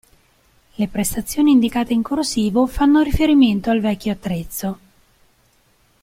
Le prestazioni indicate in corsivo fanno riferimento al vecchio attrezzo.